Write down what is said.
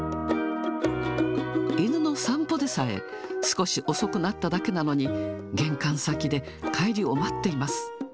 犬の散歩でさえ、少し遅くなっただけなのに、玄関先で帰りを待っています。